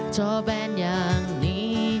จอแบนอย่างนี้